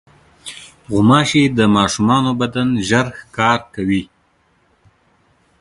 غوماشې د ماشومانو بدن ژر ښکار کوي.